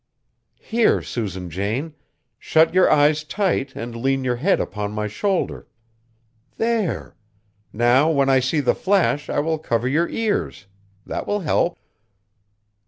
"Here, Susan Jane. Shut your eyes tight and lean your head upon my shoulder. There! Now when I see the flash I will cover your ears. That will help."